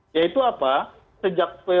yaitu apa sejak